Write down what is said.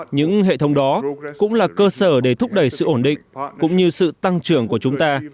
những hệ thống đó cũng là cơ sở để thúc đẩy sự ổn định cũng như sự tăng trưởng của chúng ta